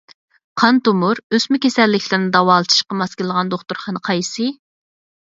قان تومۇر، ئۆسمە كېسەللىكلىرىنى داۋالىتىشقا ماس كېلىدىغان دوختۇرخانا قايسى؟